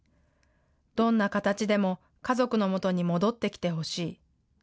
どんな形でも家族のもとに戻ってきてほしい。